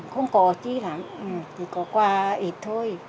không có gì lắm chỉ có quà ít thôi